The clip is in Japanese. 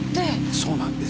そうなんです。